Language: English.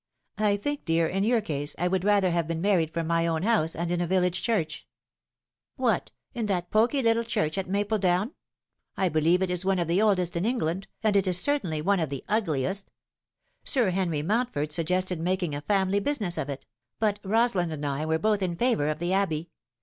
" I think, dear, in your case I would rather have been married from my own house, and in a village church." z 822 The Fatal Three. " What, in that poky little church at Mapledown ? I believe it is one of the oldest in England, and it is certainly one of tho ugliest. Sir Henry Mountford suggested making a family busi ness of it ; but Rosalind and I were both in favour of the Abbey.